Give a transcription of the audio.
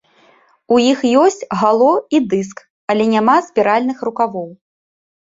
У іх ёсць гало і дыск, але няма спіральных рукавоў.